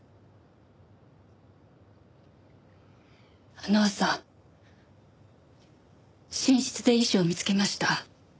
あの朝寝室で遺書を見つけました。